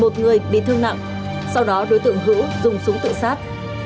tịch bị thương nặng sau đó đối tượng hữu dùng súng tự sát